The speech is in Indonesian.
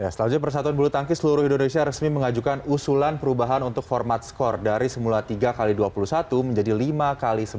selanjutnya persatuan bulu tangki seluruh indonesia resmi mengajukan usulan perubahan untuk format skor dari semula tiga x dua puluh satu menjadi lima x sebelas